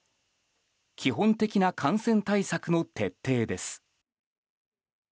基本的な感染対策の徹底です。